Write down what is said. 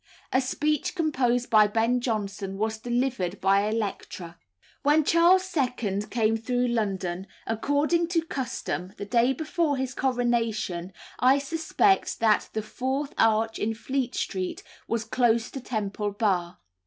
A speech composed by Ben Jonson was delivered by Electra. When Charles II. came through London, according to custom, the day before his coronation, I suspect that "the fourth arch in Fleet Street" was close to Temple Bar.